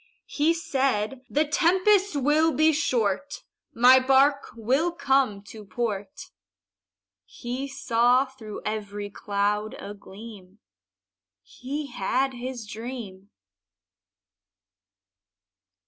He said, "The tempest will be short, My bark will come to port." He saw through every cloud a gleam He had his dream.